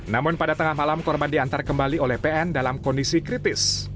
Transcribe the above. namun pada tengah malam korban diantar kembali oleh pn dalam kondisi kritis